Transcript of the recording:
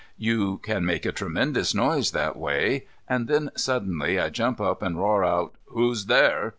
You can make a tremendous noise that way, And then suddenly I jump up and roar out, "Who's there?"